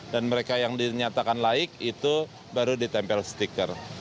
mereka yang dinyatakan laik itu baru ditempel stiker